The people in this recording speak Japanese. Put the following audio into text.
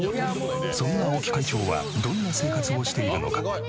そんな青木会長はどんな生活をしているのか？